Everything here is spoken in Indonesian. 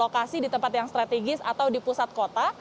lokasi di tempat yang strategis atau di pusat kota